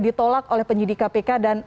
ditolak oleh penyidik kpk dan